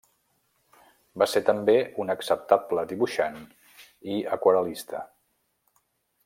Va ser també un acceptable dibuixant i aquarel·lista.